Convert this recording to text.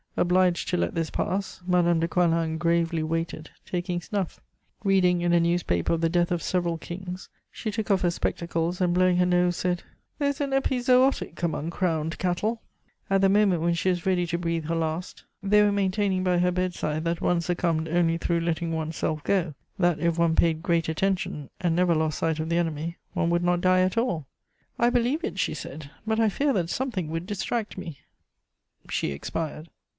Obliged to let this pass, Madame de Coislin gravely waited, taking snuff. Reading in a newspaper of the death of several kings, she took off her spectacles, and blowing her nose, said: "There is an epizootic among crowned cattle." [Sidenote: Death of Madame de Coislin.] At the moment when she was ready to breathe her last, they were maintaining by her bedside that one succumbed only through letting one's self go; that, if one paid great attention, and never lost sight of the enemy, one would not die at all. "I believe it," she said; "but I fear that something would distract me." She expired.